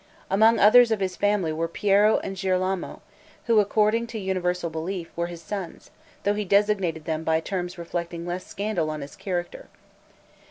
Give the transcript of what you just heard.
Among others of his family were Piero and Girolamo, who, according to universal belief, were his sons, though he designated them by terms reflecting less scandal on his character.